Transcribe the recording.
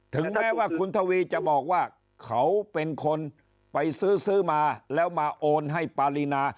ถึงแม้ว่าคุณทวีจะบอกว่าเขาเป็นคนไปซื้อซื้อมาแล้วมาโอนให้ปารีนา